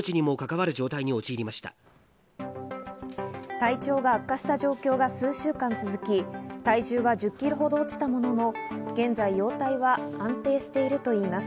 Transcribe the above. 体調が悪化した状況が数週間続き、体重は１０ｋｇほど落ちたものの現在容体は安定しているといいます。